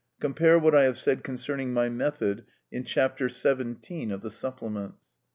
Compare what I have said concerning my method in chap. xvii. of the Supplements.